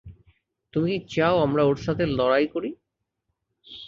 তুমি চাও আমরা ওর সাথে লড়াই করি?